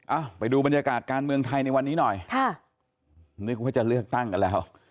ไปดูบรรยากาศการเมืองไทยในวันนี้หน่อยค่ะนึกว่าจะเลือกตั้งกันแล้ว